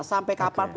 sampai kapal pun